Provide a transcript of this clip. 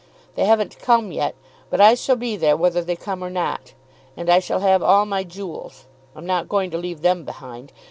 They haven't come yet, but I shall be there whether they come or not. And I shall have all my jewels. I'm not going to leave them behind.